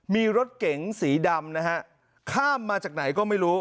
มีรถเก๋งสีดำนะฮะข้ามมาจากไหนก็ไม่รู้